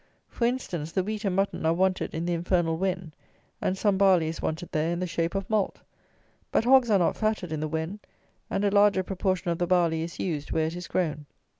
For instance, the wheat and mutton are wanted in the infernal Wen, and some barley is wanted there in the shape of malt; but hogs are not fatted in the Wen, and a larger proportion of the barley is used where it is grown.